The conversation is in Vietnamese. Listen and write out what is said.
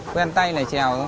quen tay là chèo thôi